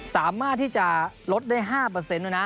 สามารถที่จะลดได้๕ด้วยนะ